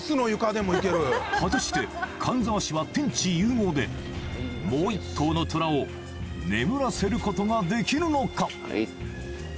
果たして神沢氏は天地融合でもう一頭のトラを眠らせることができるのか？